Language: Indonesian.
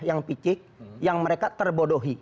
yang picik yang mereka terbodohi